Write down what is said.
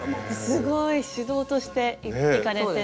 すごい主導として行かれて。